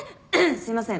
すいません。